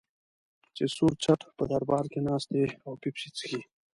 چې سور څټ په دربار کې ناست دی او پیپسي څښي.